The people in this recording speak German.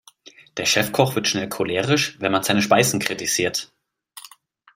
Der Chefkoch wird schnell cholerisch, wenn man seine Speisen kritisiert.